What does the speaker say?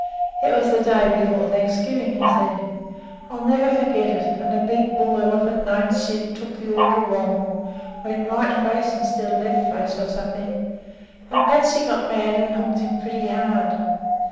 "It was the day before Thanksgiving," he said. "I'll never forget it, and a big bull elephant named Syd took the order wrong, went 'right face' instead of 'left face,' or something, and 'Patsy' got mad and hooked him pretty hard.